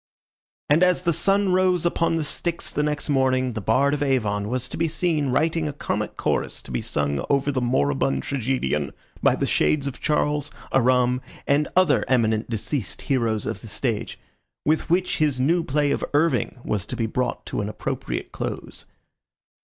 And as the sun rose upon the Styx the next morning the Bard of Avon was to be seen writing a comic chorus to be sung over the moribund tragedian by the shades of Charles, Aram, and other eminent deceased heroes of the stage, with which his new play of Irving was to be brought to an appropriate close.